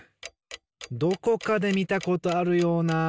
どこかでみたことあるような。